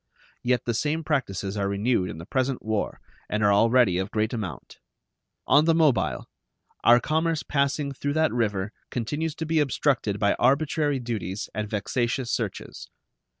Yet the same practices are renewed in the present war and are already of great amount. On the Mobile, our commerce passing through that river continues to be obstructed by arbitrary duties and vexatious searches.